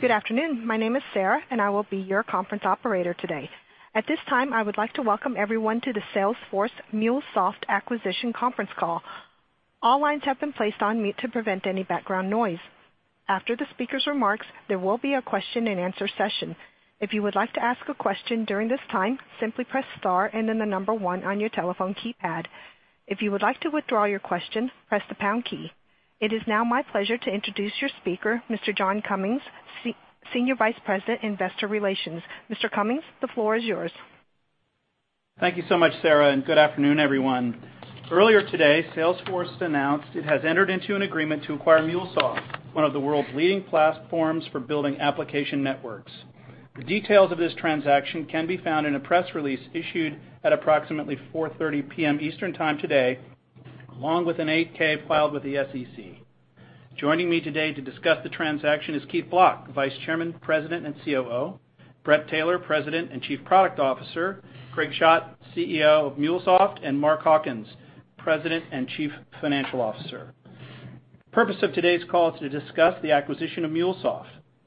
Good afternoon. My name is Sarah, and I will be your conference operator today. At this time, I would like to welcome everyone to the Salesforce MuleSoft acquisition conference call. All lines have been placed on mute to prevent any background noise. After the speaker's remarks, there will be a question and answer session. If you would like to ask a question during this time, simply press star and then the number 1 on your telephone keypad. If you would like to withdraw your question, press the pound key. It is now my pleasure to introduce your speaker, Mr. John Cummings, Senior Vice President, Investor Relations. Mr. Cummings, the floor is yours. Thank you so much, Sarah. Good afternoon, everyone. Earlier today, Salesforce announced it has entered into an agreement to acquire MuleSoft, one of the world's leading platforms for building application networks. The details of this transaction can be found in a press release issued at approximately 4:30 P.M. Eastern Time today, along with an 8-K filed with the SEC. Joining me today to discuss the transaction is Keith Block, Vice Chairman, President, and COO, Bret Taylor, President and Chief Product Officer, Greg Schott, CEO of MuleSoft, and Mark Hawkins, President and Chief Financial Officer. The purpose of today's call is to discuss the acquisition of MuleSoft.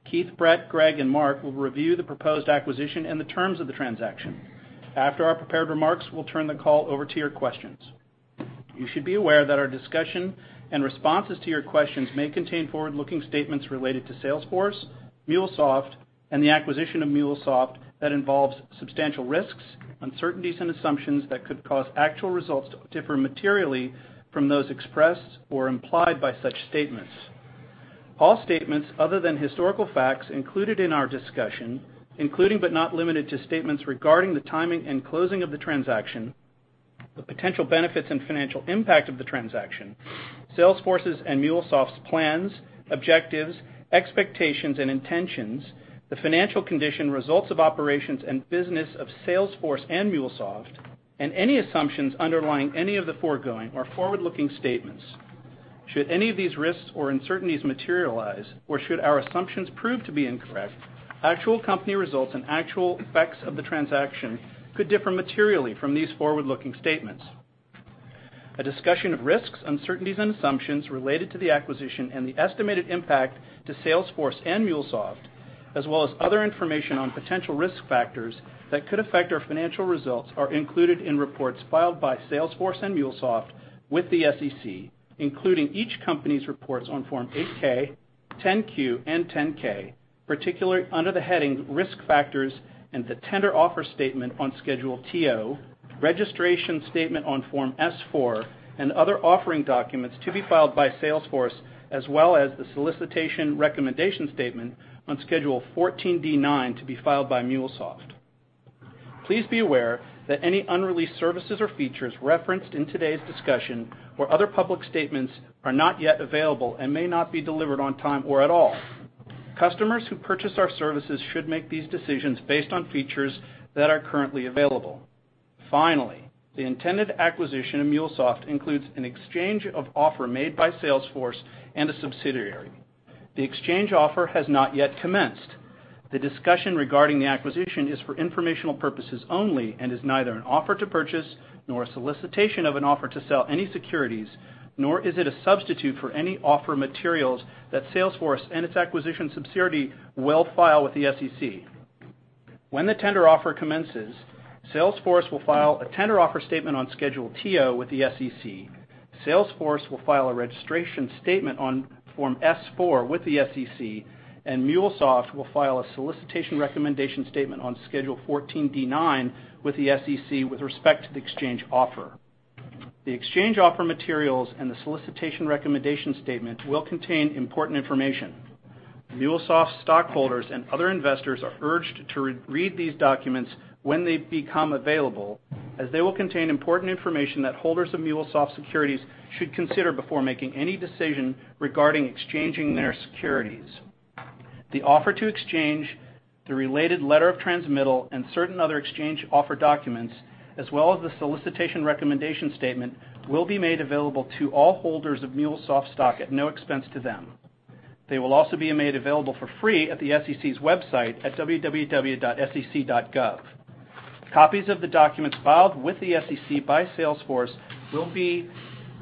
Keith, Bret, Greg, and Mark will review the proposed acquisition and the terms of the transaction. After our prepared remarks, we'll turn the call over to your questions. You should be aware that our discussion and responses to your questions may contain forward-looking statements related to Salesforce, MuleSoft, and the acquisition of MuleSoft that involves substantial risks, uncertainties, and assumptions that could cause actual results to differ materially from those expressed or implied by such statements. All statements other than historical facts included in our discussion, including but not limited to statements regarding the timing and closing of the transaction, the potential benefits and financial impact of the transaction, Salesforce's and MuleSoft's plans, objectives, expectations, and intentions, the financial condition, results of operations, and business of Salesforce and MuleSoft, and any assumptions underlying any of the foregoing are forward-looking statements. Should any of these risks or uncertainties materialize, or should our assumptions prove to be incorrect, actual company results and actual effects of the transaction could differ materially from these forward-looking statements. A discussion of risks, uncertainties, and assumptions related to the acquisition and the estimated impact to Salesforce and MuleSoft, as well as other information on potential risk factors that could affect our financial results, are included in reports filed by Salesforce and MuleSoft with the SEC, including each company's reports on Form 8-K, 10-Q, and 10-K, particularly under the heading Risk Factors in the tender offer statement on Schedule TO, registration statement on Form S-4, and other offering documents to be filed by Salesforce, as well as the solicitation recommendation statement on Schedule 14D-9 to be filed by MuleSoft. Please be aware that any unreleased services or features referenced in today's discussion or other public statements are not yet available and may not be delivered on time or at all. Customers who purchase our services should make these decisions based on features that are currently available. The intended acquisition of MuleSoft includes an exchange of offer made by Salesforce and a subsidiary. The exchange offer has not yet commenced. The discussion regarding the acquisition is for informational purposes only and is neither an offer to purchase nor a solicitation of an offer to sell any securities, nor is it a substitute for any offer materials that Salesforce and its acquisition subsidiary will file with the SEC. When the tender offer commences, Salesforce will file a tender offer statement on Schedule TO with the SEC. Salesforce will file a registration statement on Form S-4 with the SEC, and MuleSoft will file a solicitation recommendation statement on Schedule 14D-9 with the SEC with respect to the exchange offer. The exchange offer materials and the solicitation recommendation statement will contain important information. MuleSoft stockholders and other investors are urged to read these documents when they become available, as they will contain important information that holders of MuleSoft securities should consider before making any decision regarding exchanging their securities. The offer to exchange, the related letter of transmittal, and certain other exchange offer documents, as well as the solicitation recommendation statement, will be made available to all holders of MuleSoft stock at no expense to them. They will also be made available for free at the SEC's website at www.sec.gov. Copies of the documents filed with the SEC by Salesforce will be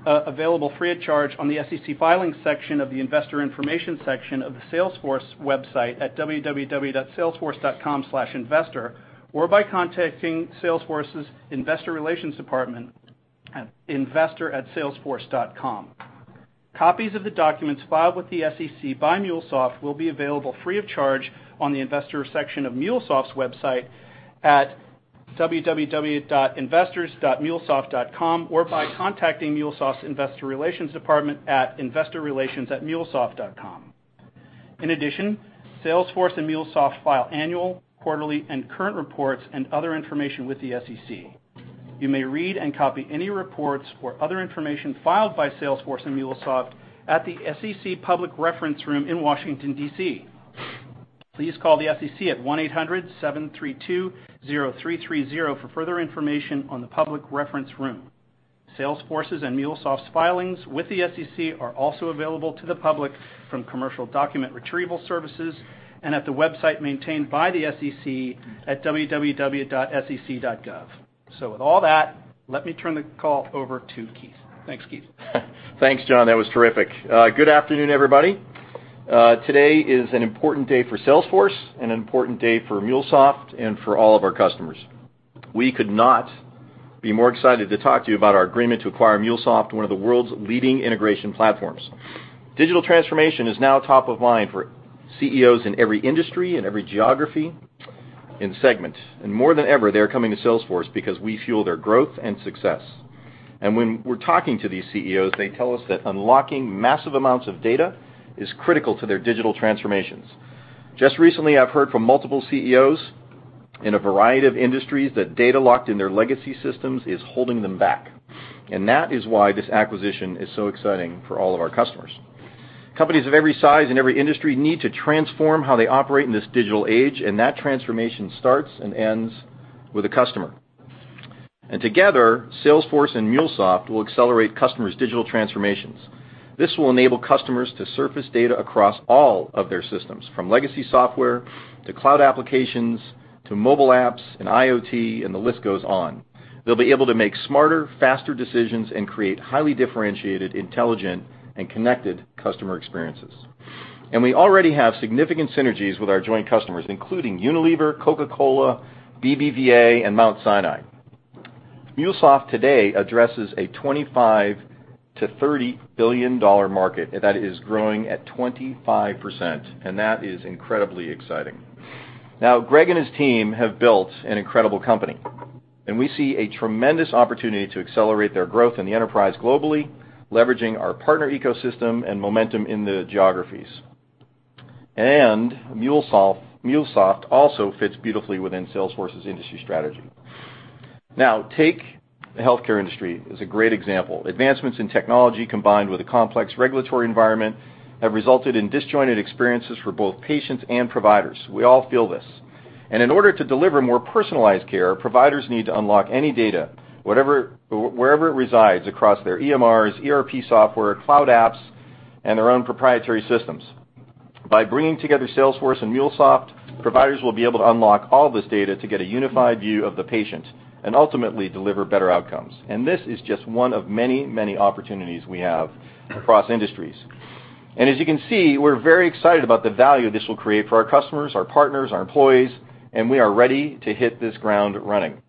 available free of charge on the SEC Filings section of the Investor Information section of the Salesforce website at www.salesforce.com/investor, or by contacting Salesforce's investor relations department at investor@salesforce.com. Copies of the documents filed with the SEC by MuleSoft will be available free of charge on the investor section of MuleSoft's website at www.investors.mulesoft.com or by contacting MuleSoft's investor relations department at investorrelations@mulesoft.com. In addition, Salesforce and MuleSoft file annual, quarterly, and current reports and other information with the SEC. You may read and copy any reports or other information filed by Salesforce and MuleSoft at the SEC Public Reference Room in Washington, D.C. Please call the SEC at 1-800-732-0330 for further information on the Public Reference Room. Salesforce's and MuleSoft's filings with the SEC are also available to the public from commercial document retrieval services and at the website maintained by the SEC at www.sec.gov. With all that, let me turn the call over to Keith. Thanks, Keith. Thanks, John. That was terrific. Good afternoon, everybody. Today is an important day for Salesforce, an important day for MuleSoft, and for all of our customers. We could not be more excited to talk to you about our agreement to acquire MuleSoft, one of the world's leading integration platforms. Digital transformation is now top of mind for CEOs in every industry, in every geography, and segment. More than ever, they're coming to Salesforce because we fuel their growth and success. When we're talking to these CEOs, they tell us that unlocking massive amounts of data is critical to their digital transformations. Just recently, I've heard from multiple CEOs in a variety of industries that data locked in their legacy systems is holding them back, and that is why this acquisition is so exciting for all of our customers. Companies of every size and every industry need to transform how they operate in this digital age, and that transformation starts and ends with a customer. Together, Salesforce and MuleSoft will accelerate customers' digital transformations. This will enable customers to surface data across all of their systems, from legacy software, to cloud applications, to mobile apps and IoT, and the list goes on. They'll be able to make smarter, faster decisions and create highly differentiated, intelligent, and connected customer experiences. We already have significant synergies with our joint customers, including Unilever, Coca-Cola, BBVA, and Mount Sinai. MuleSoft today addresses a $25 billion-$30 billion market that is growing at 25%, and that is incredibly exciting. Greg and his team have built an incredible company, and we see a tremendous opportunity to accelerate their growth in the enterprise globally, leveraging our partner ecosystem and momentum in the geographies. MuleSoft also fits beautifully within Salesforce's industry strategy. Take the healthcare industry as a great example. Advancements in technology, combined with a complex regulatory environment, have resulted in disjointed experiences for both patients and providers. We all feel this. In order to deliver more personalized care, providers need to unlock any data, wherever it resides across their EMRs, ERP software, cloud apps, and their own proprietary systems. By bringing together Salesforce and MuleSoft, providers will be able to unlock all this data to get a unified view of the patient and ultimately deliver better outcomes. This is just one of many, many opportunities we have across industries. As you can see, we're very excited about the value this will create for our customers, our partners, our employees, and we are ready to hit this ground running.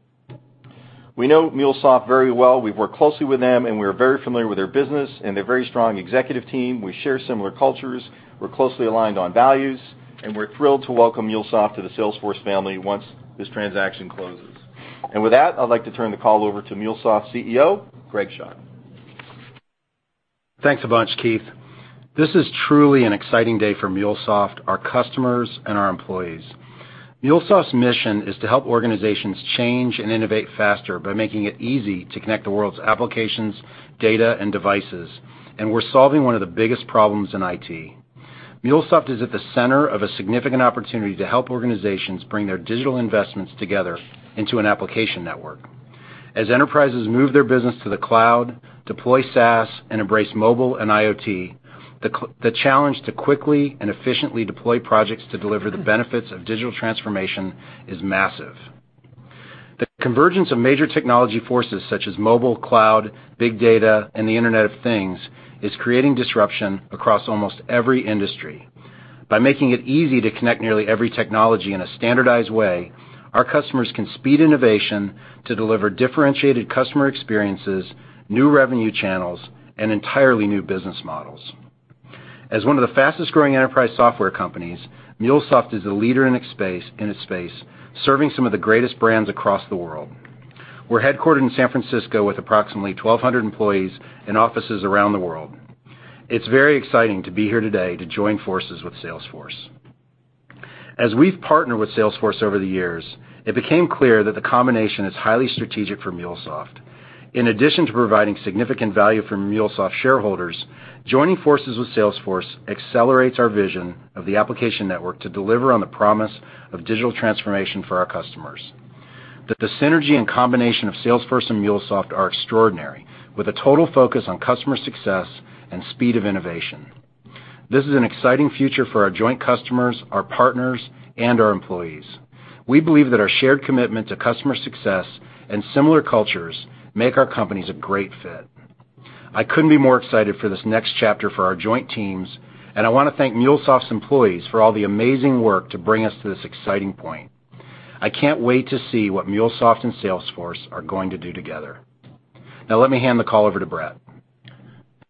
We know MuleSoft very well. We've worked closely with them, and we're very familiar with their business and their very strong executive team. We share similar cultures, we're closely aligned on values, and we're thrilled to welcome MuleSoft to the Salesforce family once this transaction closes. With that, I'd like to turn the call over to MuleSoft CEO, Greg Schott. Thanks a bunch, Keith. This is truly an exciting day for MuleSoft, our customers, and our employees. MuleSoft's mission is to help organizations change and innovate faster by making it easy to connect the world's applications, data, and devices. We're solving one of the biggest problems in IT. MuleSoft is at the center of a significant opportunity to help organizations bring their digital investments together into an application network. As enterprises move their business to the cloud, deploy SaaS, and embrace mobile and IoT, the challenge to quickly and efficiently deploy projects to deliver the benefits of digital transformation is massive. The convergence of major technology forces such as mobile, cloud, big data, and the Internet of Things, is creating disruption across almost every industry. By making it easy to connect nearly every technology in a standardized way, our customers can speed innovation to deliver differentiated customer experiences, new revenue channels, and entirely new business models. As one of the fastest-growing enterprise software companies, MuleSoft is a leader in its space, serving some of the greatest brands across the world. We're headquartered in San Francisco with approximately 1,200 employees and offices around the world. It's very exciting to be here today to join forces with Salesforce. As we've partnered with Salesforce over the years, it became clear that the combination is highly strategic for MuleSoft. In addition to providing significant value for MuleSoft shareholders, joining forces with Salesforce accelerates our vision of the application network to deliver on the promise of digital transformation for our customers. The synergy and combination of Salesforce and MuleSoft are extraordinary, with a total focus on customer success and speed of innovation. This is an exciting future for our joint customers, our partners, and our employees. We believe that our shared commitment to customer success and similar cultures make our companies a great fit. I couldn't be more excited for this next chapter for our joint teams, and I want to thank MuleSoft's employees for all the amazing work to bring us to this exciting point. I can't wait to see what MuleSoft and Salesforce are going to do together. Let me hand the call over to Bret.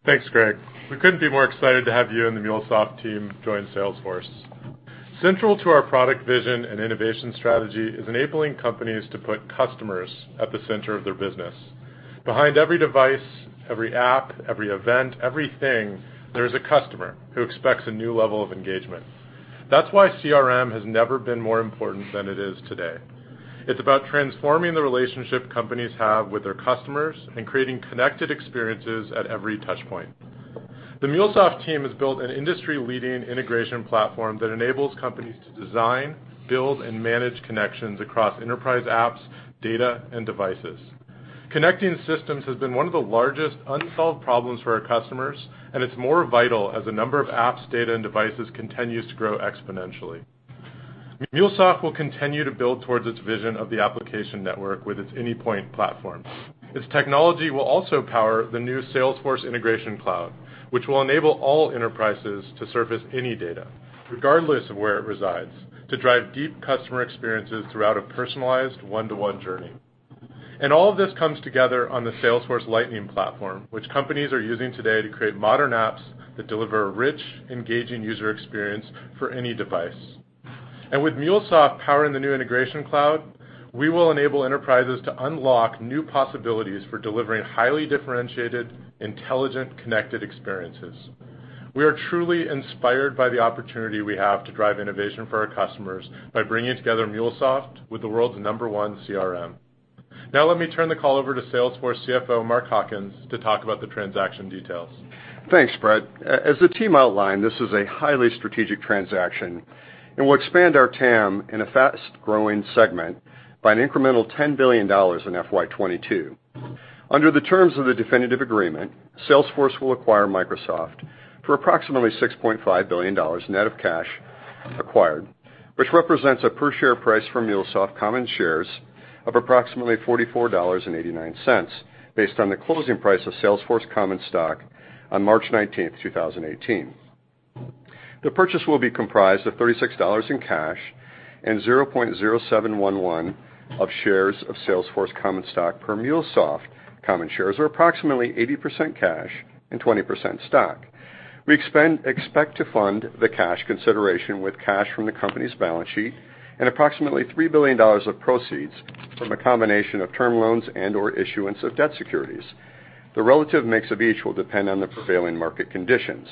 Thanks, Greg. We couldn't be more excited to have you and the MuleSoft team join Salesforce. Central to our product vision and innovation strategy is enabling companies to put customers at the center of their business. Behind every device, every app, every event, everything, there is a customer who expects a new level of engagement. That's why CRM has never been more important than it is today. It's about transforming the relationship companies have with their customers and creating connected experiences at every touchpoint. The MuleSoft team has built an industry-leading integration platform that enables companies to design, build, and manage connections across enterprise apps, data, and devices. Connecting systems has been one of the largest unsolved problems for our customers, and it's more vital as the number of apps, data, and devices continues to grow exponentially. MuleSoft will continue to build towards its vision of the application network with its Anypoint Platform. Its technology will also power the new Salesforce Integration Cloud, which will enable all enterprises to surface any data, regardless of where it resides, to drive deep customer experiences throughout a personalized one-to-one journey. All of this comes together on the Salesforce Lightning Platform, which companies are using today to create modern apps that deliver a rich, engaging user experience for any device. With MuleSoft powering the new Integration Cloud, we will enable enterprises to unlock new possibilities for delivering highly differentiated, intelligent, connected experiences. We are truly inspired by the opportunity we have to drive innovation for our customers by bringing together MuleSoft with the world's number one CRM. Let me turn the call over to Salesforce CFO, Mark Hawkins, to talk about the transaction details. Thanks, Bret. As the team outlined, this is a highly strategic transaction, we'll expand our TAM in a fast-growing segment by an incremental $10 billion in FY 2022. Under the terms of the definitive agreement, Salesforce will acquire MuleSoft for approximately $6.5 billion net of cash acquired, which represents a per share price for MuleSoft common shares of approximately $44.89, based on the closing price of Salesforce common stock on March 19th, 2018. The purchase will be comprised of $36 in cash and 0.0711 of shares of Salesforce common stock per MuleSoft common shares, or approximately 80% cash and 20% stock. We expect to fund the cash consideration with cash from the company's balance sheet and approximately $3 billion of proceeds from a combination of term loans and/or issuance of debt securities. The relative mix of each will depend on the prevailing market conditions.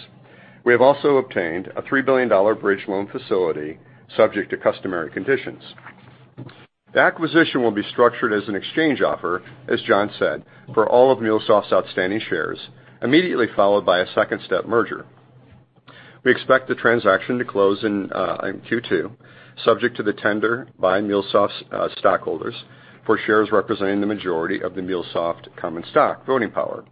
We have also obtained a $3 billion bridge loan facility subject to customary conditions. The acquisition will be structured as an exchange offer, as John said, for all of MuleSoft's outstanding shares, immediately followed by a second-step merger. We expect the transaction to close in Q2, subject to the tender by MuleSoft's stockholders for shares representing the majority of the MuleSoft common stock voting power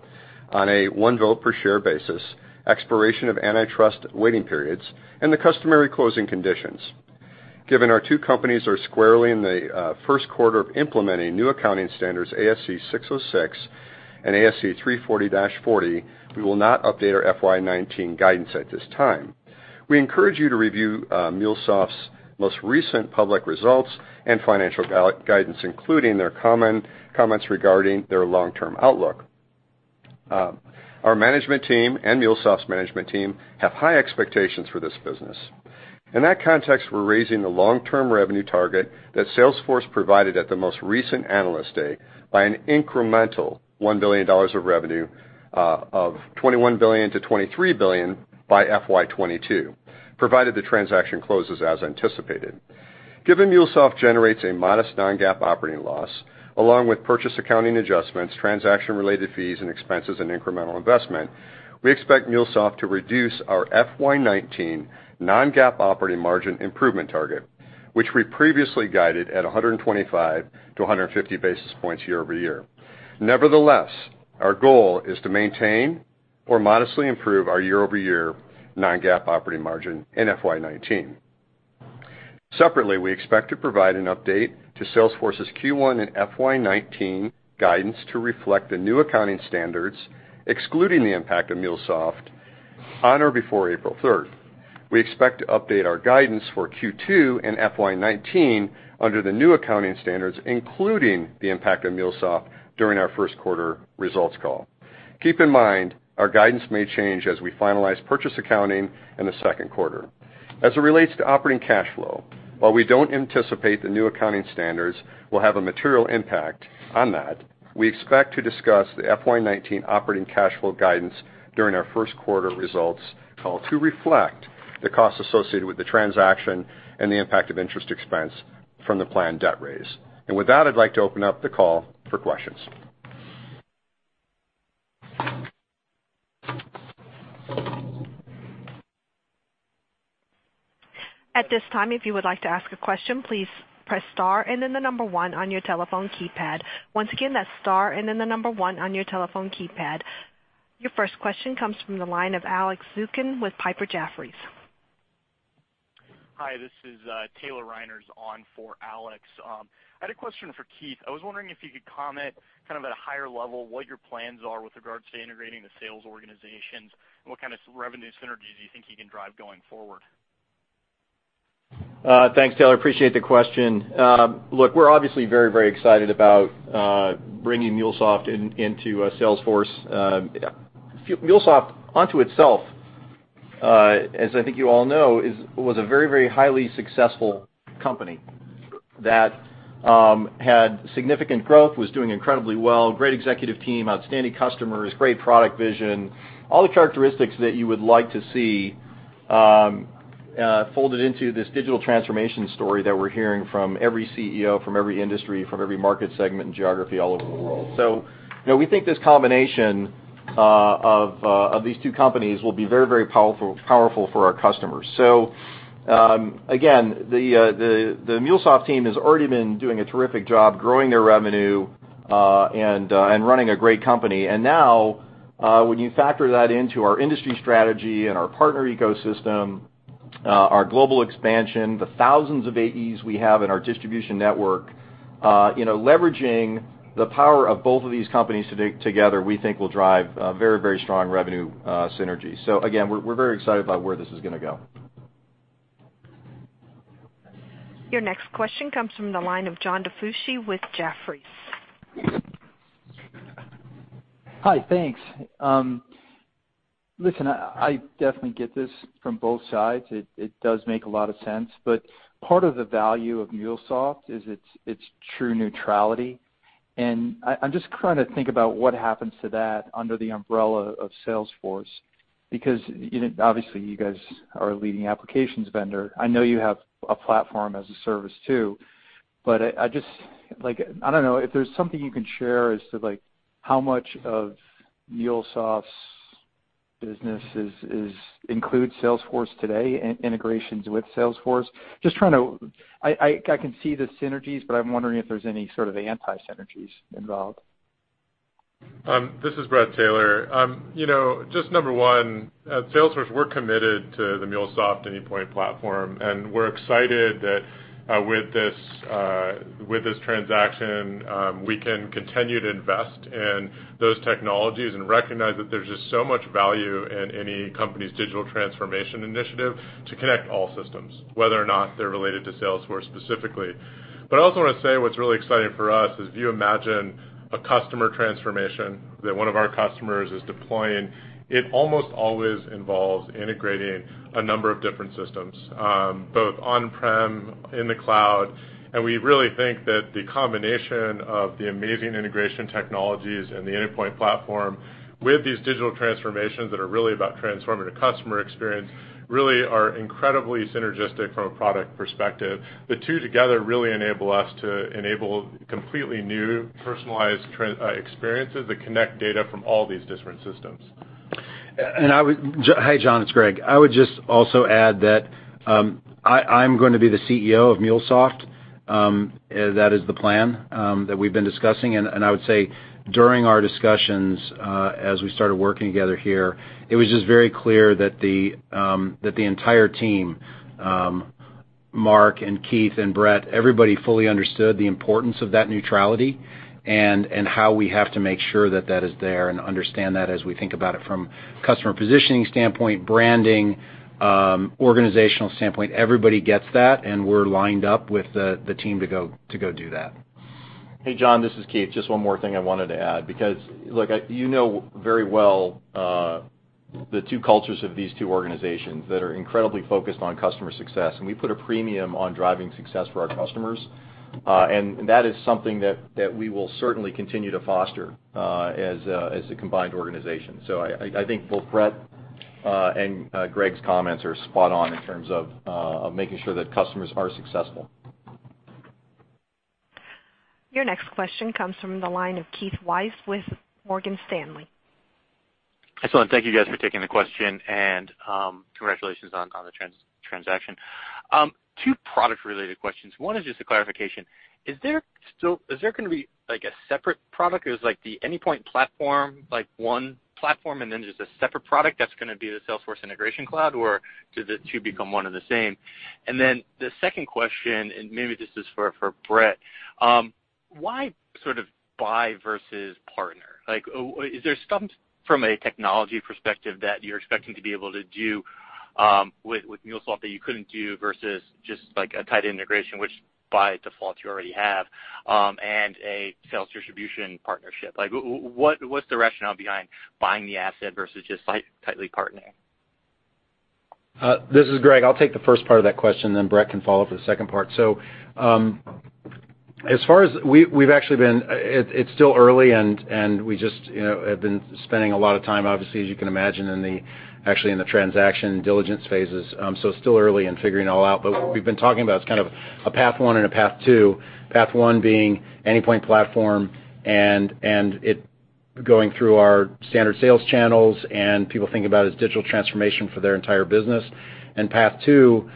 on a one-vote-per-share basis, expiration of antitrust waiting periods, and the customary closing conditions. Given our two companies are squarely in the first quarter of implementing new accounting standards ASC 606 and ASC 340-40, we will not update our FY 2019 guidance at this time. We encourage you to review MuleSoft's most recent public results and financial guidance, including their comments regarding their long-term outlook. Our management team and MuleSoft's management team have high expectations for this business. In that context, we're raising the long-term revenue target that Salesforce provided at the most recent Analyst Day by an incremental $1 billion of revenue of $21 billion-$23 billion by FY 2022, provided the transaction closes as anticipated. Given MuleSoft generates a modest non-GAAP operating loss, along with purchase accounting adjustments, transaction-related fees and expenses, and incremental investment, we expect MuleSoft to reduce our FY 2019 non-GAAP operating margin improvement target, which we previously guided at 125 to 150 basis points year-over-year. Nevertheless, our goal is to maintain or modestly improve our year-over-year non-GAAP operating margin in FY 2019. Separately, we expect to provide an update to Salesforce's Q1 and FY 2019 guidance to reflect the new accounting standards, excluding the impact of MuleSoft, on or before April 3rd. We expect to update our guidance for Q2 and FY 2019 under the new accounting standards, including the impact of MuleSoft during our first quarter results call. Keep in mind, our guidance may change as we finalize purchase accounting in the second quarter. As it relates to operating cash flow, while we don't anticipate the new accounting standards will have a material impact on that, we expect to discuss the FY 2019 operating cash flow guidance during our first quarter results call to reflect the costs associated with the transaction and the impact of interest expense from the planned debt raise. With that, I'd like to open up the call for questions. At this time, if you would like to ask a question, please press star and then the number one on your telephone keypad. Once again, that's star and then the number one on your telephone keypad. Your first question comes from the line of Alex Zukin with Piper Jaffray. Hi, this is Taylor Reiners on for Alex. I had a question for Keith. I was wondering if you could comment kind of at a higher level what your plans are with regards to integrating the sales organizations and what kind of revenue synergies you think you can drive going forward. Thanks, Taylor, appreciate the question. Look, we're obviously very excited about bringing MuleSoft into Salesforce. MuleSoft onto itself, as I think you all know, was a very highly successful company that had significant growth, was doing incredibly well, great executive team, outstanding customers, great product vision. All the characteristics that you would like to see folded into this digital transformation story that we're hearing from every CEO, from every industry, from every market segment and geography all over the world. We think this combination Of these two companies will be very powerful for our customers. Again, the MuleSoft team has already been doing a terrific job growing their revenue, and running a great company. Now, when you factor that into our industry strategy and our partner ecosystem, our global expansion, the thousands of AEs we have in our distribution network. Leveraging the power of both of these companies together, we think will drive very strong revenue synergy. Again, we're very excited about where this is going to go. Your next question comes from the line of John DiFucci with Jefferies. Hi, thanks. Listen, I definitely get this from both sides. It does make a lot of sense, but part of the value of MuleSoft is its true neutrality, and I'm just trying to think about what happens to that under the umbrella of Salesforce, because obviously you guys are a leading applications vendor. I know you have a platform as a service too, but I don't know if there's something you can share as to how much of MuleSoft's business includes Salesforce today, integrations with Salesforce. I can see the synergies, but I'm wondering if there's any sort of anti-synergies involved. This is Bret Taylor. Just number one, at Salesforce, we're committed to the MuleSoft Anypoint Platform, and we're excited that with this transaction, we can continue to invest in those technologies and recognize that there's just so much value in any company's digital transformation initiative to connect all systems, whether or not they're related to Salesforce specifically. I also want to say what's really exciting for us is if you imagine a customer transformation that one of our customers is deploying, it almost always involves integrating a number of different systems, both on-prem, in the cloud, and we really think that the combination of the amazing integration technologies and the Anypoint Platform with these digital transformations that are really about transforming a customer experience, really are incredibly synergistic from a product perspective. The two together really enable us to enable completely new personalized experiences that connect data from all these different systems. Hey, John, it's Greg. I would just also add that I'm going to be the CEO of MuleSoft. That is the plan that we've been discussing, I would say during our discussions, as we started working together here, it was just very clear that the entire team, Marc and Keith and Bret, everybody fully understood the importance of that neutrality, and how we have to make sure that that is there and understand that as we think about it from customer positioning standpoint, branding, organizational standpoint. Everybody gets that, We're lined up with the team to go do that. Hey, John, this is Keith. Just one more thing I wanted to add, because look, you know very well the two cultures of these two organizations that are incredibly focused on customer success, and we put a premium on driving success for our customers. That is something that we will certainly continue to foster as a combined organization. I think both Bret, and Greg's comments are spot on in terms of making sure that customers are successful. Your next question comes from the line of Keith Weiss with Morgan Stanley. Excellent. Thank you guys for taking the question, and congratulations on the transaction. Two product-related questions. One is just a clarification. Is there going to be a separate product? Is the Anypoint Platform, like one platform, and then just a separate product that's going to be the Salesforce Integration Cloud, or do the two become one and the same? The second question, maybe this is for Bret. Why sort of buy versus partner? Is there something from a technology perspective that you're expecting to be able to do with MuleSoft that you couldn't do versus just a tight integration, which by default you already have, and a sales distribution partnership? What's the rationale behind buying the asset versus just tightly partnering? This is Greg. I'll take the first part of that question, then Bret can follow up for the second part. It's still early, and we just have been spending a lot of time, obviously, as you can imagine, in the transaction diligence phases. Still early in figuring it all out, but what we've been talking about is kind of a path 1 and a path 2. Path 1 being Anypoint Platform, and it going through our standard sales channels, and people think about as digital transformation for their entire business. Path 2,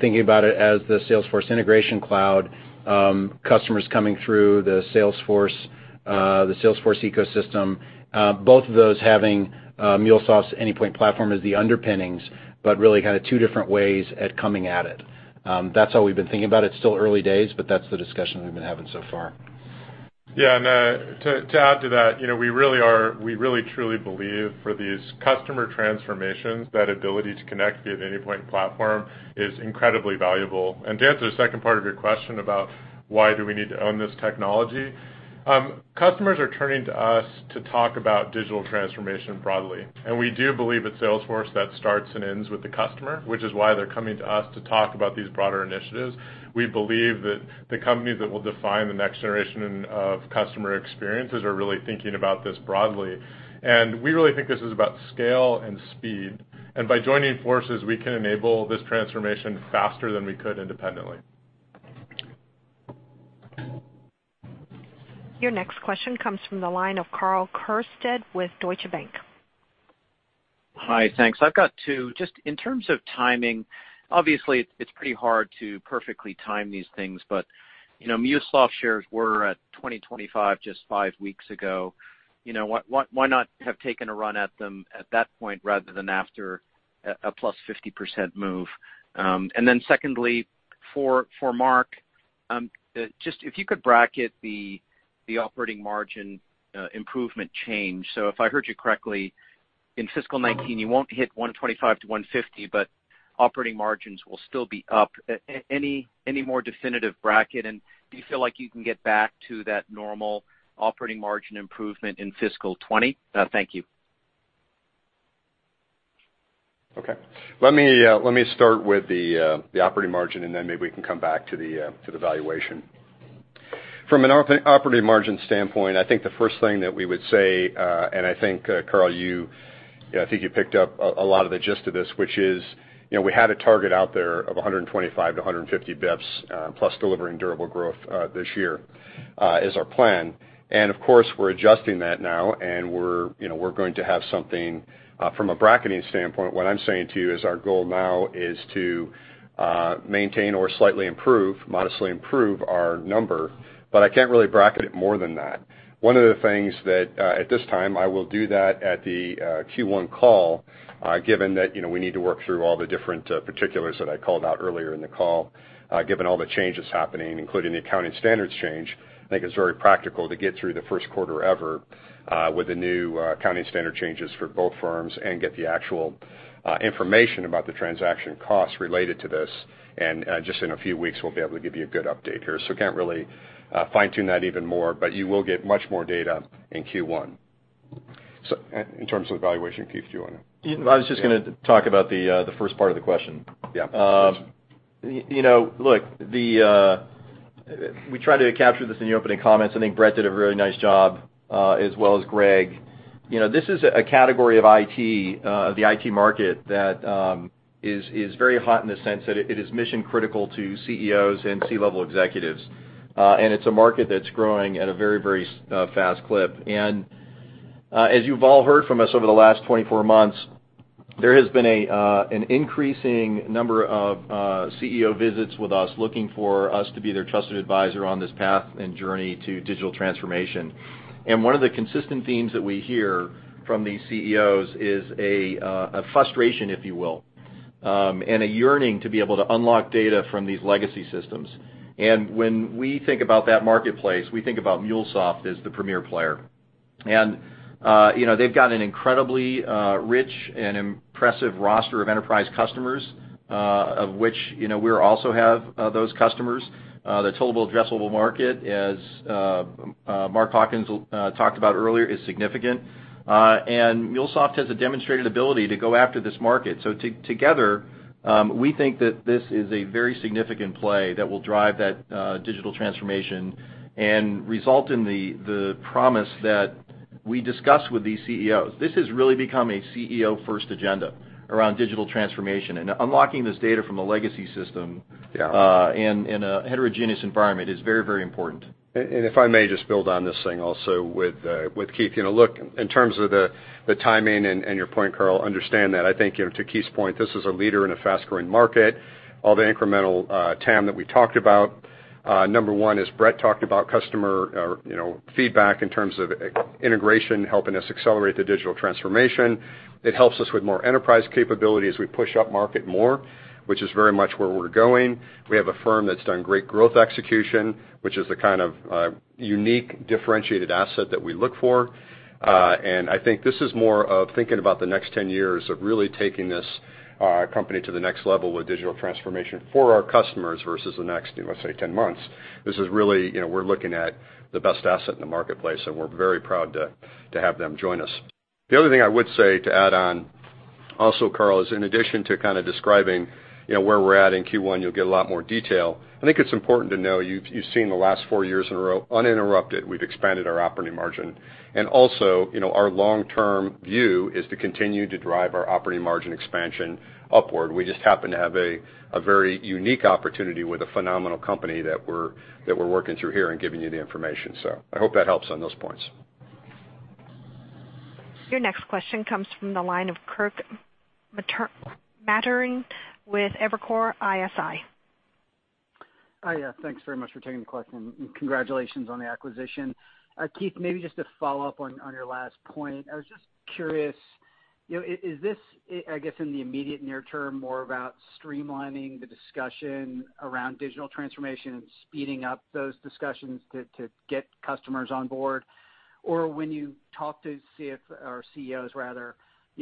thinking about it as the Salesforce Integration Cloud, customers coming through the Salesforce ecosystem, both of those having MuleSoft's Anypoint Platform as the underpinnings, but really kind of two different ways at coming at it. That's how we've been thinking about it. It's still early days, but that's the discussion we've been having so far. Yeah. To add to that, we really truly believe for these customer transformations, that ability to connect via the Anypoint Platform is incredibly valuable. To answer the second part of your question about why do we need to own this technology? Customers are turning to us to talk about digital transformation broadly, and we do believe at Salesforce that starts and ends with the customer, which is why they're coming to us to talk about these broader initiatives. We believe that the companies that will define the next generation of customer experiences are really thinking about this broadly. We really think this is about scale and speed, and by joining forces, we can enable this transformation faster than we could independently. Your next question comes from the line of Karl Keirstead with Deutsche Bank. Hi, thanks. I've got two. Just in terms of timing, obviously it's pretty hard to perfectly time these things, but MuleSoft shares were at $20-$25 just five weeks ago. Why not have taken a run at them at that point rather than after a +50% move? Secondly, for Mark, just if you could bracket the operating margin improvement change. If I heard you correctly, in fiscal 2019, you won't hit 125-150, but operating margins will still be up. Any more definitive bracket? Do you feel like you can get back to that normal operating margin improvement in fiscal 2020? Thank you. Okay. Let me start with the operating margin. Maybe we can come back to the valuation. From an operating margin standpoint, I think the first thing that we would say, I think, Karl, you picked up a lot of the gist of this, which is we had a target out there of 125-150 basis points, plus delivering durable growth this year is our plan. Of course, we're adjusting that now. We're going to have something from a bracketing standpoint, what I'm saying to you is our goal now is to maintain or slightly improve, modestly improve our number, I can't really bracket it more than that. One of the things that at this time, I will do that at the Q1 call given that we need to work through all the different particulars that I called out earlier in the call given all the changes happening, including the accounting standards change. I think it's very practical to get through the first quarter ever with the new accounting standard changes for both firms and get the actual information about the transaction costs related to this. Just in a few weeks, we'll be able to give you a good update here. Can't really fine-tune that even more, you will get much more data in Q1. In terms of the valuation, Keith, do you want to? I was just going to talk about the first part of the question. Yeah. Look, we tried to capture this in the opening comments. I think Bret did a very nice job as well as Greg. This is a category of IT, the IT market that is very hot in the sense that it is mission critical to CEOs and C-level executives. It's a market that's growing at a very fast clip. As you've all heard from us over the last 24 months, there has been an increasing number of CEO visits with us looking for us to be their trusted advisor on this path and journey to digital transformation. One of the consistent themes that we hear from these CEOs is a frustration, if you will, and a yearning to be able to unlock data from these legacy systems. When we think about that marketplace, we think about MuleSoft as the premier player. They've got an incredibly rich and impressive roster of enterprise customers, of which we also have those customers. The total addressable market, as Mark Hawkins talked about earlier, is significant. MuleSoft has a demonstrated ability to go after this market. Together, we think that this is a very significant play that will drive that digital transformation and result in the promise that we discuss with these CEOs. This has really become a CEO-first agenda around digital transformation, and unlocking this data from a legacy system in a heterogeneous environment is very important. If I may just build on this thing also with Keith. Look, in terms of the timing and your point, Karl, understand that I think to Keith's point, this is a leader in a fast-growing market. All the incremental TAM that we talked about. Number one, as Bret talked about customer feedback in terms of integration helping us accelerate the digital transformation. It helps us with more enterprise capability as we push upmarket more, which is very much where we're going. We have a firm that's done great growth execution, which is the kind of unique differentiated asset that we look for. I think this is more of thinking about the next 10 years of really taking this company to the next level with digital transformation for our customers versus the next, let's say, 10 months. This is really we're looking at the best asset in the marketplace, and we're very proud to have them join us. The other thing I would say to add on also, Karl, is in addition to kind of describing where we're at in Q1, you'll get a lot more detail. I think it's important to know you've seen the last four years in a row uninterrupted, we've expanded our operating margin. Also, our long-term view is to continue to drive our operating margin expansion upward. We just happen to have a very unique opportunity with a phenomenal company that we're working through here and giving you the information. I hope that helps on those points. Your next question comes from the line of Kirk Materne with Evercore ISI. Hi. Thanks very much for taking the question. Congratulations on the acquisition. Keith, maybe just to follow up on your last point. I was just curious, is this, I guess, in the immediate near term, more about streamlining the discussion around digital transformation and speeding up those discussions to get customers on board? Or when you talk to CEOs rather,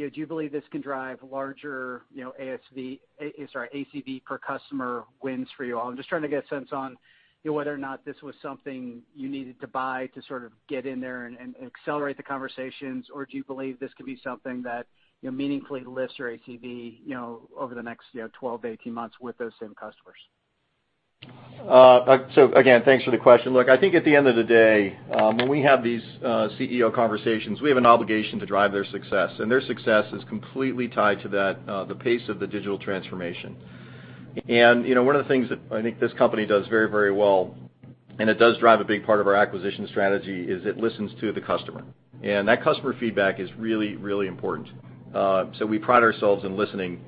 do you believe this can drive larger ACV per customer wins for you all? I'm just trying to get a sense on whether or not this was something you needed to buy to sort of get in there and accelerate the conversations, or do you believe this could be something that meaningfully lifts your ACV over the next 12-18 months with those same customers? Again, thanks for the question. Look, I think at the end of the day when we have these CEO conversations, we have an obligation to drive their success, and their success is completely tied to the pace of the digital transformation. One of the things that I think this company does very well, and it does drive a big part of our acquisition strategy, is it listens to the customer. That customer feedback is really important. We pride ourselves in listening.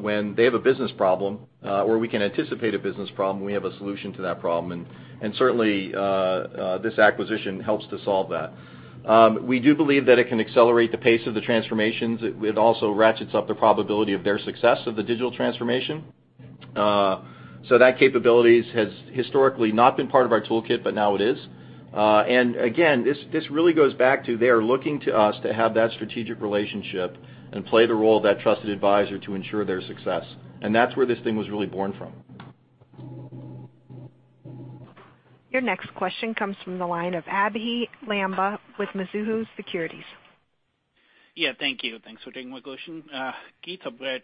When they have a business problem, or we can anticipate a business problem, we have a solution to that problem, and certainly, this acquisition helps to solve that. We do believe that it can accelerate the pace of the transformations. It also ratchets up the probability of their success of the digital transformation. That capability has historically not been part of our toolkit, but now it is. Again, this really goes back to they are looking to us to have that strategic relationship and play the role of that trusted advisor to ensure their success. That's where this thing was really born from. Your next question comes from the line of Abhey Lamba with Mizuho Securities. Thank you. Thanks for taking my question. Keith, Bret,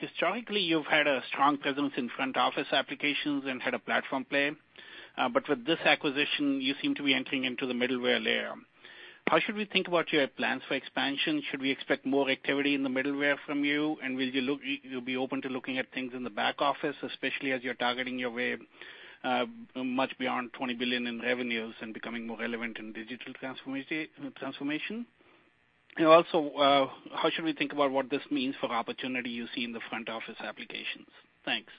historically, you've had a strong presence in front-office applications and had a platform play. With this acquisition, you seem to be entering into the middleware layer. How should we think about your plans for expansion? Should we expect more activity in the middleware from you, and you'll be open to looking at things in the back office, especially as you're targeting your way much beyond $20 billion in revenues and becoming more relevant in digital transformation? Also, how should we think about what this means for opportunity you see in the front-office applications? Thanks.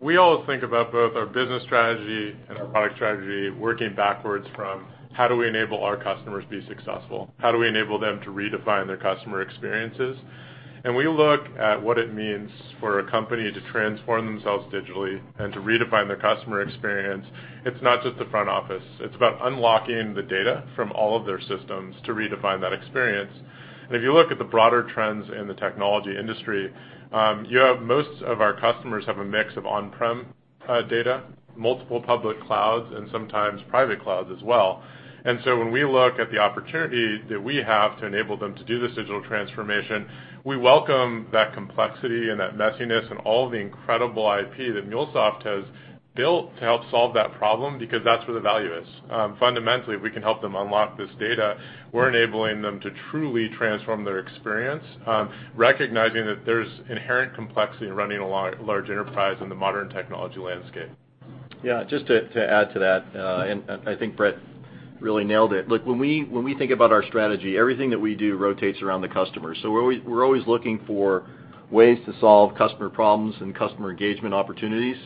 We all think about both our business strategy and our product strategy working backwards from how do we enable our customers to be successful? How do we enable them to redefine their customer experiences? We look at what it means for a company to transform themselves digitally and to redefine their customer experience. It's not just the front office. It's about unlocking the data from all of their systems to redefine that experience. If you look at the broader trends in the technology industry, you have most of our customers have a mix of on-prem data, multiple public clouds, and sometimes private clouds as well. When we look at the opportunity that we have to enable them to do this digital transformation, we welcome that complexity and that messiness and all the incredible IP that MuleSoft has built to help solve that problem, because that's where the value is. Fundamentally, if we can help them unlock this data, we're enabling them to truly transform their experience, recognizing that there's inherent complexity in running a large enterprise in the modern technology landscape. Yeah, just to add to that, I think Bret really nailed it. Look, when we think about our strategy, everything that we do rotates around the customer. We're always looking for ways to solve customer problems and customer engagement opportunities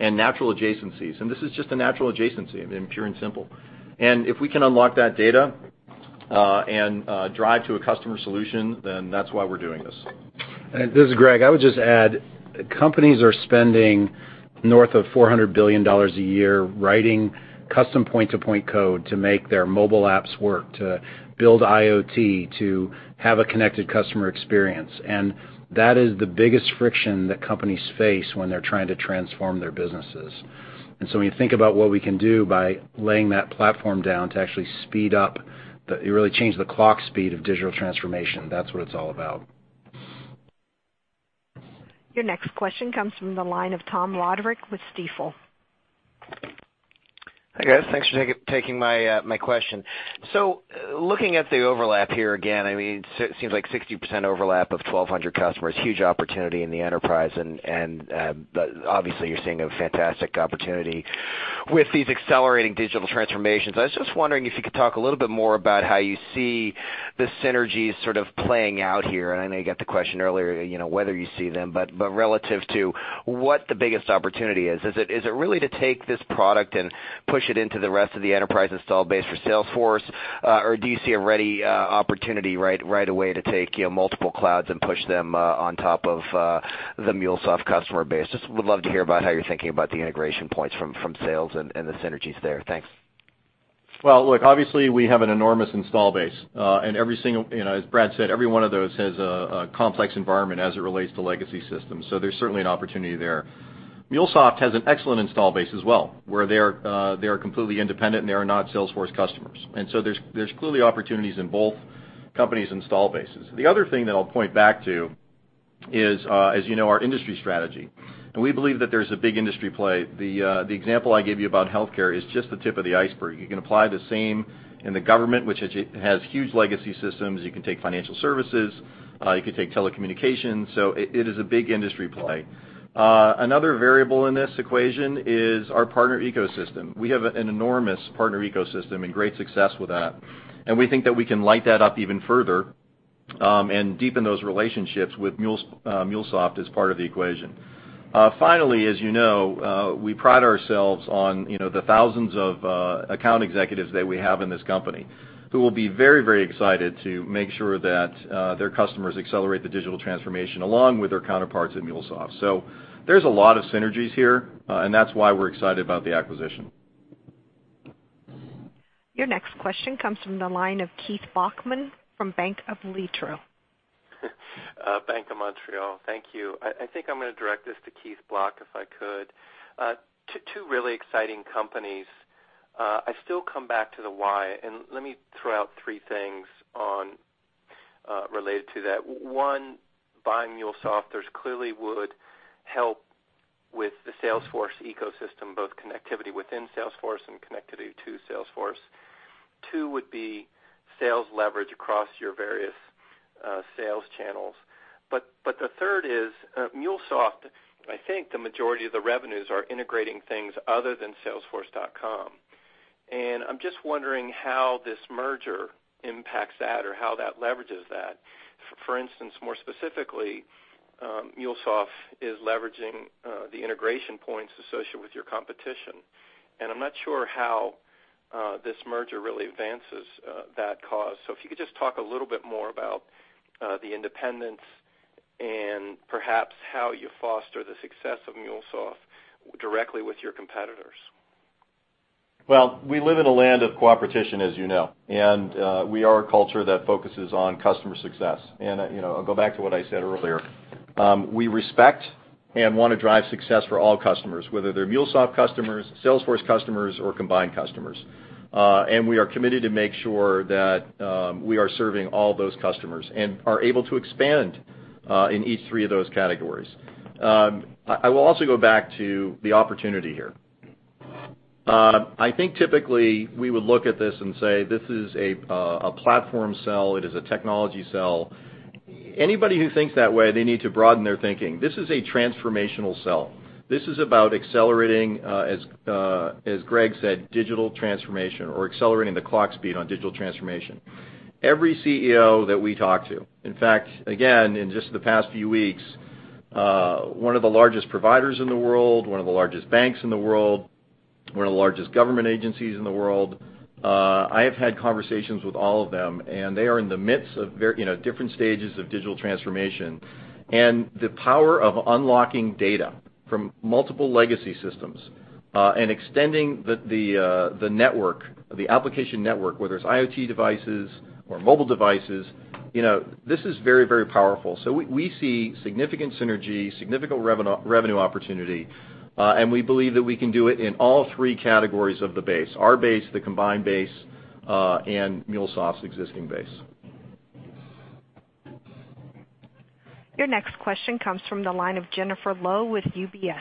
and natural adjacencies. This is just a natural adjacency, pure and simple. If we can unlock that data, and drive to a customer solution, that's why we're doing this. This is Greg. I would just add, companies are spending north of $400 billion a year writing custom point-to-point code to make their mobile apps work, to build IoT, to have a connected customer experience. That is the biggest friction that companies face when they're trying to transform their businesses. When you think about what we can do by laying that platform down to actually speed up, you really change the clock speed of digital transformation. That's what it's all about. Your next question comes from the line of Tom Roderick with Stifel. Hi, guys. Thanks for taking my question. Looking at the overlap here again, it seems like 60% overlap of 1,200 customers, huge opportunity in the enterprise, and obviously, you're seeing a fantastic opportunity with these accelerating digital transformations. I was just wondering if you could talk a little bit more about how you see the synergies sort of playing out here. I know you got the question earlier, whether you see them, but relative to what the biggest opportunity is. Is it really to take this product and push it into the rest of the enterprise install base for Salesforce? Or do you see a ready opportunity right away to take multiple clouds and push them on top of the MuleSoft customer base? Just would love to hear about how you're thinking about the integration points from sales and the synergies there. Thanks. Well, look, obviously, we have an enormous install base. As Bret said, every one of those has a complex environment as it relates to legacy systems. There's certainly an opportunity there. MuleSoft has an excellent install base as well, where they are completely independent, and they are not Salesforce customers. There's clearly opportunities in both companies' install bases. The other thing that I'll point back to is our industry strategy. We believe that there's a big industry play. The example I gave you about healthcare is just the tip of the iceberg. You can apply the same in the government, which has huge legacy systems. You can take financial services. You could take telecommunications. It is a big industry play. Another variable in this equation is our partner ecosystem. We have an enormous partner ecosystem and great success with that, and we think that we can light that up even further, and deepen those relationships with MuleSoft as part of the equation. Finally, as you know, we pride ourselves on the thousands of account executives that we have in this company who will be very excited to make sure that their customers accelerate the digital transformation along with their counterparts at MuleSoft. There's a lot of synergies here, and that's why we're excited about the acquisition. Your next question comes from the line of Keith Bachman from Bank of Montreal. Bank of Montreal. Thank you. I think I'm going to direct this to Keith Block, if I could. Two really exciting companies. I still come back to the why. Let me throw out three things related to that. One, buying MuleSoft, this clearly would help with the Salesforce ecosystem, both connectivity within Salesforce and connectivity to Salesforce. Two would be sales leverage across your various sales channels. The third is, MuleSoft, I think the majority of the revenues are integrating things other than salesforce.com. I'm just wondering how this merger impacts that or how that leverages that. For instance, more specifically, MuleSoft is leveraging the integration points associated with your competition, and I'm not sure how this merger really advances that cause. If you could just talk a little bit more about the independence and perhaps how you foster the success of MuleSoft directly with your competitors. Well, we live in a land of cooperation, as you know. We are a culture that focuses on customer success. I'll go back to what I said earlier. We respect and want to drive success for all customers, whether they're MuleSoft customers, Salesforce customers, or combined customers. We are committed to make sure that we are serving all those customers and are able to expand in each three of those categories. I will also go back to the opportunity here. I think typically, we would look at this and say, "This is a platform sell, it is a technology sell." Anybody who thinks that way, they need to broaden their thinking. This is a transformational sell. This is about accelerating, as Greg said, digital transformation or accelerating the clock speed on digital transformation. Every CEO that we talk to, in fact, again, in just the past few weeks, one of the largest providers in the world, one of the largest banks in the world, one of the largest government agencies in the world, I have had conversations with all of them. They are in the midst of different stages of digital transformation. The power of unlocking data from multiple legacy systems, and extending the application network, whether it's IoT devices or mobile devices, this is very powerful. We see significant synergy, significant revenue opportunity, and we believe that we can do it in all three categories of the base, our base, the combined base, and MuleSoft's existing base. Your next question comes from the line of Jennifer Lowe with UBS.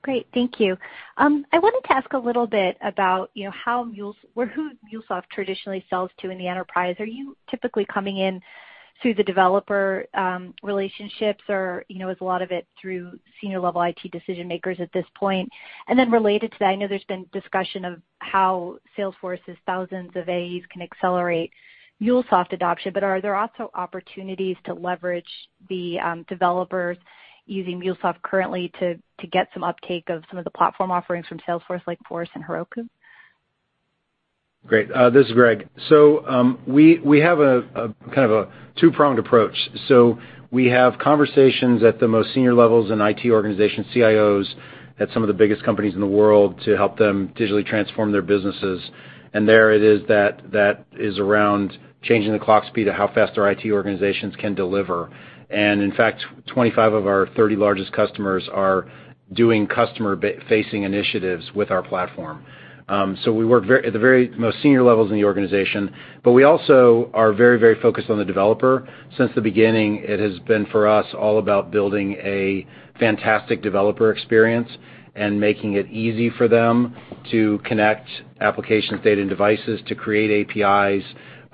Great. Thank you. I wanted to ask a little bit about who MuleSoft traditionally sells to in the enterprise. Are you typically coming in through the developer relationships, or is a lot of it through senior-level IT decision-makers at this point? Related to that, I know there's been discussion of how Salesforce's thousands of AEs can accelerate MuleSoft adoption, but are there also opportunities to leverage the developers using MuleSoft currently to get some uptake of some of the platform offerings from Salesforce, like Force.com and Heroku? Great. This is Greg. We have a kind of a two-pronged approach. We have conversations at the most senior levels in IT organizations, CIOs at some of the biggest companies in the world to help them digitally transform their businesses. There it is that is around changing the clock speed of how fast their IT organizations can deliver. In fact, 25 of our 30 largest customers are doing customer-facing initiatives with our platform. We work at the very most senior levels in the organization, but we also are very focused on the developer. Since the beginning, it has been, for us, all about building a fantastic developer experience and making it easy for them to connect applications, data, and devices, to create APIs,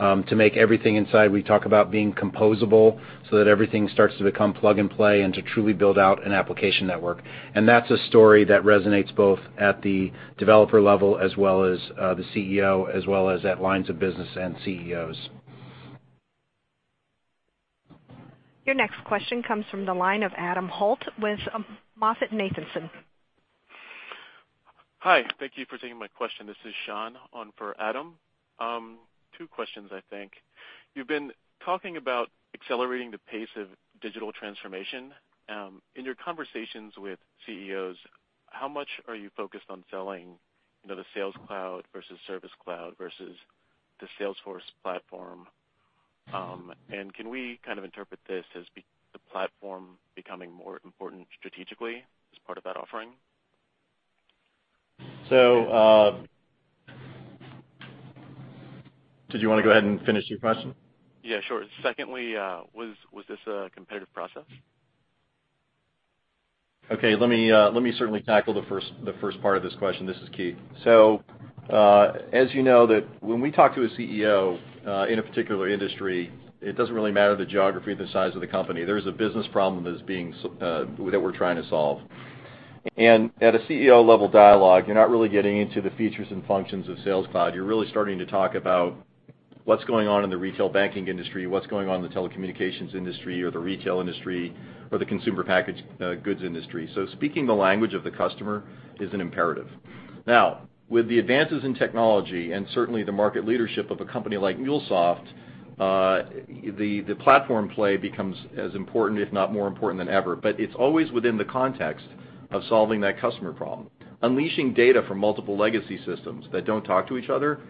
to make everything inside. We talk about being composable so that everything starts to become plug-and-play and to truly build out an application network. That's a story that resonates both at the developer level, as well as the CEO, as well as at lines of business and CEOs. Your next question comes from the line of Adam Holt with MoffettNathanson. Hi. Thank you for taking my question. This is Sean for Adam. Two questions, I think. You've been talking about accelerating the pace of digital transformation. In your conversations with CEOs, how much are you focused on selling the Sales Cloud versus Service Cloud versus the Salesforce platform? Can we kind of interpret this as the platform becoming more important strategically as part of that offering? Did you want to go ahead and finish your question? Yeah, sure. Secondly, was this a competitive process? Okay. Let me certainly tackle the first part of this question. This is Keith. As you know, when we talk to a CEO in a particular industry, it doesn't really matter the geography or the size of the company. There's a business problem that we're trying to solve. At a CEO-level dialogue, you're not really getting into the features and functions of Sales Cloud. You're really starting to talk about what's going on in the retail banking industry, what's going on in the telecommunications industry or the retail industry or the consumer packaged goods industry. Speaking the language of the customer is an imperative. Now, with the advances in technology and certainly the market leadership of a company like MuleSoft, the platform play becomes as important, if not more important than ever. It's always within the context of solving that customer problem. Unleashing data from multiple legacy systems that don't talk to each other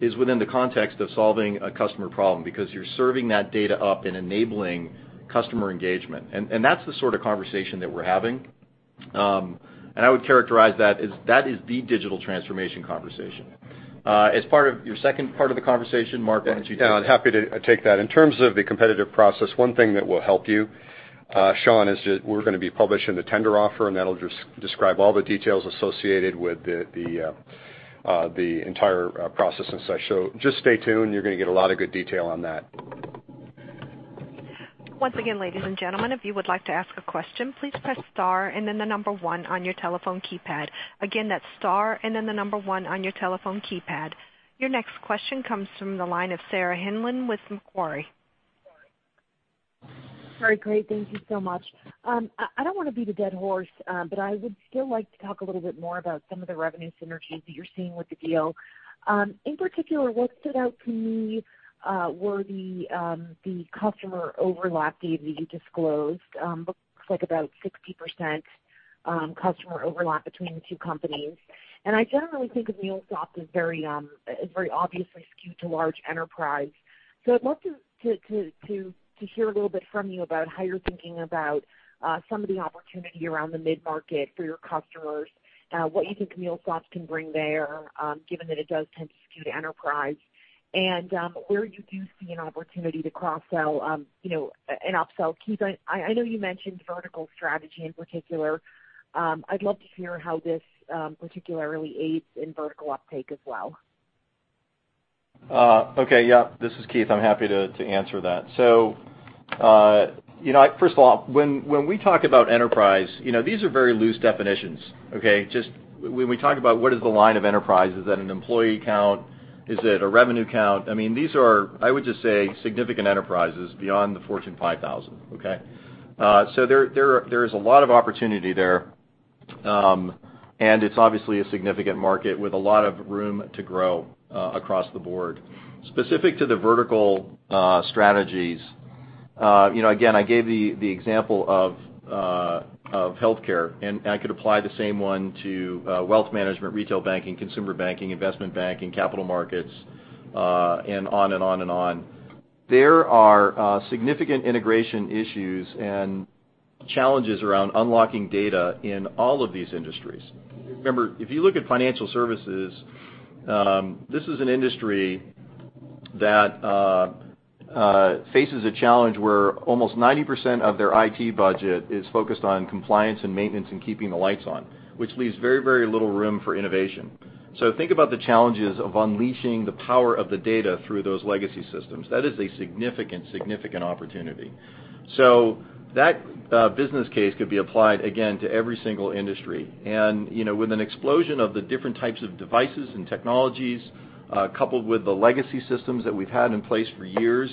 is within the context of solving a customer problem because you're serving that data up and enabling customer engagement. That's the sort of conversation that we're having. I would characterize that as that is the digital transformation conversation. As part of your second part of the conversation, Mark, why don't you take that? Yeah, I'm happy to take that. In terms of the competitive process, one thing that will help you Sean, we're going to be publishing the tender offer, and that'll describe all the details associated with the entire process. Just stay tuned. You're going to get a lot of good detail on that. Once again, ladies and gentlemen, if you would like to ask a question, please press star and then the number one on your telephone keypad. Again, that's star and then the number one on your telephone keypad. Your next question comes from the line of Sarah Hindlian with Macquarie. Sorry. Great. Thank you so much. I don't want to beat a dead horse. I would still like to talk a little bit more about some of the revenue synergies that you're seeing with the deal. In particular, what stood out to me were the customer overlap data that you disclosed. Looks like about 60% customer overlap between the two companies. I generally think of MuleSoft as very obviously skewed to large enterprise. I'd love to hear a little bit from you about how you're thinking about some of the opportunity around the mid-market for your customers, what you think MuleSoft can bring there, given that it does tend to skew to enterprise, and where you do see an opportunity to cross-sell and up-sell, Keith. I know you mentioned vertical strategy in particular. I'd love to hear how this particularly aids in vertical uptake as well. Okay. Yeah. This is Keith. I'm happy to answer that. First of all, when we talk about enterprise, these are very loose definitions, okay? When we talk about what is the line of enterprise, is that an employee count? Is it a revenue count? These are, I would just say, significant enterprises beyond the Fortune 500, okay? There is a lot of opportunity there, and it's obviously a significant market with a lot of room to grow across the board. Specific to the vertical strategies, again, I gave the example of healthcare, and I could apply the same one to wealth management, retail banking, consumer banking, investment banking, capital markets, and on and on and on. There are significant integration issues and challenges around unlocking data in all of these industries. Remember, if you look at financial services, this is an industry that faces a challenge where almost 90% of their IT budget is focused on compliance and maintenance and keeping the lights on, which leaves very, very little room for innovation. Think about the challenges of unleashing the power of the data through those legacy systems. That is a significant opportunity. That business case could be applied, again, to every single industry. With an explosion of the different types of devices and technologies, coupled with the legacy systems that we've had in place for years,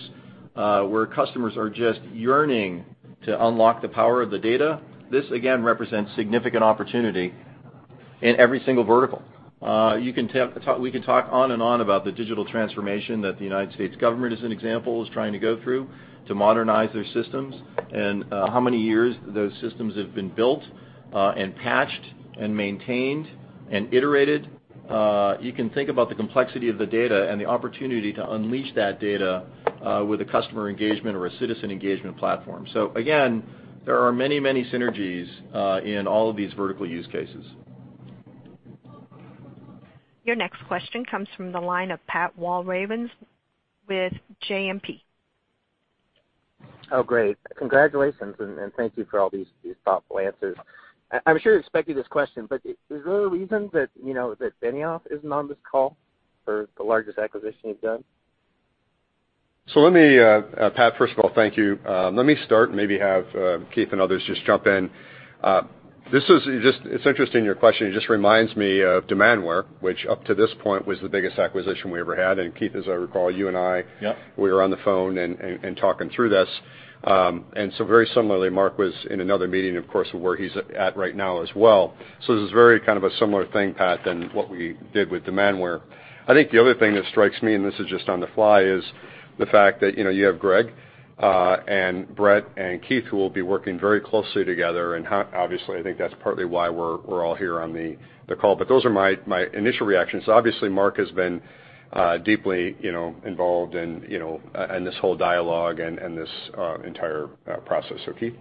where customers are just yearning to unlock the power of the data, this again represents significant opportunity in every single vertical. We can talk on and on about the digital transformation that the U.S. government, as an example, is trying to go through to modernize their systems and how many years those systems have been built and patched and maintained and iterated. You can think about the complexity of the data and the opportunity to unleash that data with a customer engagement or a citizen engagement platform. Again, there are many synergies in all of these vertical use cases. Your next question comes from the line of Pat Walravens with JMP. Oh, great. Congratulations, and thank you for all these thoughtful answers. I'm sure you're expecting this question, but is there a reason that Benioff isn't on this call for the largest acquisition you've done? Let me, Pat, first of all, thank you. Let me start and maybe have Keith and others just jump in. It's interesting, your question. It just reminds me of Demandware, which up to this point was the biggest acquisition we ever had. Keith, as I recall, you and I- Yep we were on the phone and talking through this. Very similarly, Mark was in another meeting, of course, where he's at right now as well. This is very kind of a similar thing, Pat, than what we did with Demandware. I think the other thing that strikes me, and this is just on the fly, is the fact that you have Greg and Bret and Keith who will be working very closely together, and obviously, I think that's partly why we're all here on the call. Those are my initial reactions. Obviously, Mark has been deeply involved in this whole dialogue and this entire process. Keith?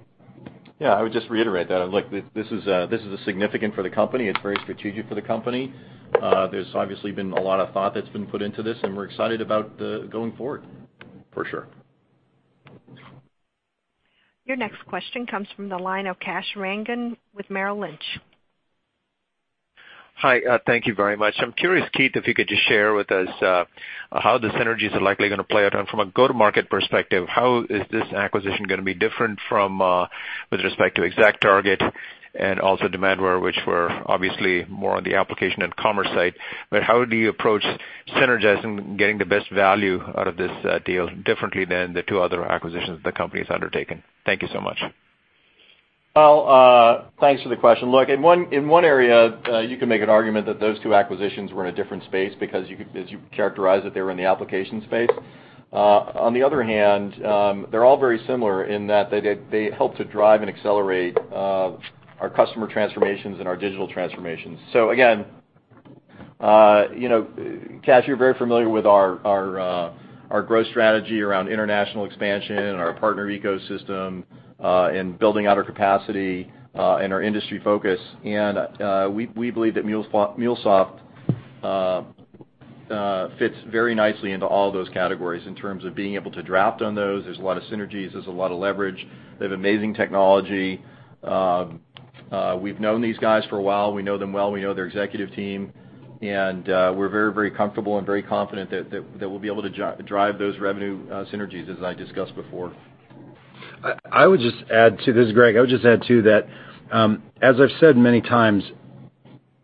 Yeah, I would just reiterate that. Look, this is significant for the company. It's very strategic for the company. There's obviously been a lot of thought that's been put into this, and we're excited about going forward, for sure. Your next question comes from the line of Kash Rangan with Merrill Lynch. Hi. Thank you very much. I'm curious, Keith, if you could just share with us how the synergies are likely going to play out from a go-to-market perspective. How is this acquisition going to be different with respect to ExactTarget and also Demandware, which were obviously more on the application and commerce side, but how do you approach synergizing, getting the best value out of this deal differently than the two other acquisitions the company has undertaken? Thank you so much. Thanks for the question. Look, in one area, you can make an argument that those two acquisitions were in a different space because as you characterized it, they were in the application space. On the other hand, they're all very similar in that they help to drive and accelerate our customer transformations and our digital transformations. Again, Kash Rangan, you're very familiar with our growth strategy around international expansion and our partner ecosystem, and building out our capacity and our industry focus. We believe that MuleSoft fits very nicely into all those categories in terms of being able to draft on those. There's a lot of synergies. There's a lot of leverage. They have amazing technology. We've known these guys for a while. We know them well. We know their executive team, and we're very comfortable and very confident that we'll be able to drive those revenue synergies, as I discussed before. I would just add, too, this is Greg Schott. I would just add, too, that as I've said many times,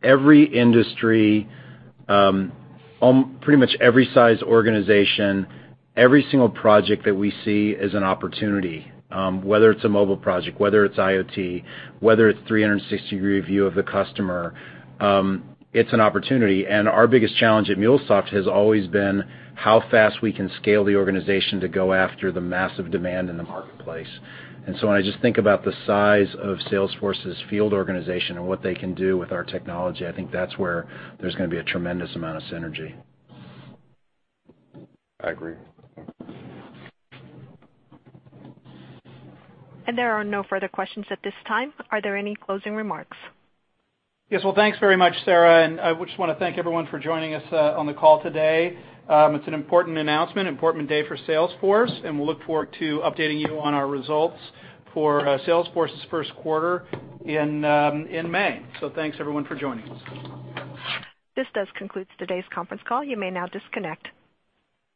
every industry, pretty much every size organization, every single project that we see is an opportunity. Whether it's a mobile project, whether it's IoT, whether it's 360-degree view of the customer, it's an opportunity. Our biggest challenge at MuleSoft has always been how fast we can scale the organization to go after the massive demand in the marketplace. When I just think about the size of Salesforce's field organization and what they can do with our technology, I think that's where there's going to be a tremendous amount of synergy. I agree. There are no further questions at this time. Are there any closing remarks? Yes. Well, thanks very much, Sarah, and we just want to thank everyone for joining us on the call today. It's an important announcement, important day for Salesforce, and we'll look forward to updating you on our results for Salesforce's first quarter in May. Thanks, everyone, for joining us. This does conclude today's conference call. You may now disconnect.